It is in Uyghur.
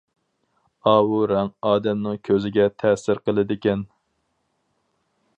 ئاۋۇ رەڭ ئادەمنىڭ كۆزىگە تەسىر قىلىدىكەن.